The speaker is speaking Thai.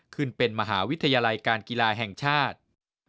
ขึ้นเป็นมหาวิทยาลัยการกีฬาแห่งชาติ